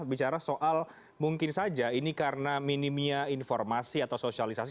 bicara soal mungkin saja ini karena minimnya informasi atau sosialisasi